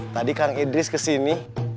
tadi kang idris kesini